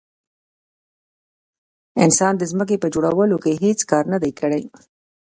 انسان د ځمکې په جوړولو کې هیڅ کار نه دی کړی.